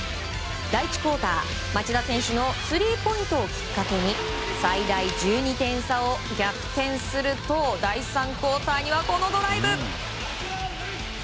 第１クオーター、町田選手のスリーポイントをきっかけに最大１２点差を逆転すると第３クオーターにはこのドライブ！